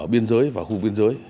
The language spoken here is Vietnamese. biên giới và khu biên giới